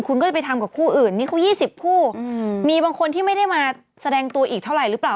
คุณก็จะไปทำกับคู่อื่นนี่เขา๒๐คู่มีบางคนที่ไม่ได้มาแสดงตัวอีกเท่าไหร่หรือเปล่า